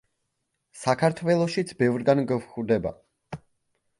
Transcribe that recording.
საქართველოშიც ბევრგან გვხვდება.